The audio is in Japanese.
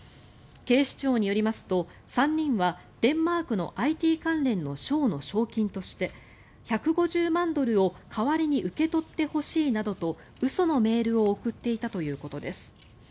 警視庁によりますと３人はデンマークのＩＴ関連の賞の賞金として１５０万ドルを代わりに受け取ってほしいなどと嘘のメールを送っていたということです。